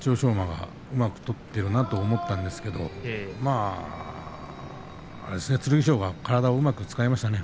馬がうまく取っているなと見えたんですが剣翔が体をうまく使いましたね。